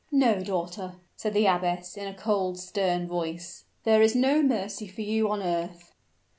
"No, daughter," said the abbess, in a cold, stern voice; "there is no mercy for you on earth."